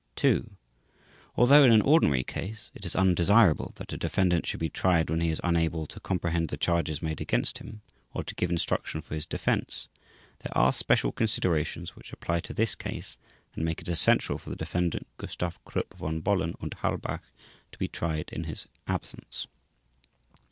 ii) Although in an ordinary case it is undesirable that a defendant should be tried when he is unable to comprehend the charges made against him, or to give instruction for his defence, there are special considerations which apply to this case and make it essential for the Defendant Gustav Krupp von Bohlen und Halbach to be tried in his absence.